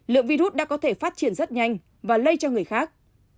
lượng virus đã có thể phát triển rất nhanh và lây cho người khác